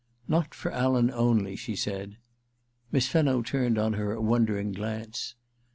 *Not for Alan only,' she said. Miss Fenno turned on her a wondering glance.